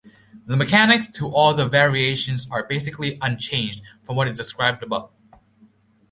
The mechanics to all the variations are basically unchanged from what is described above.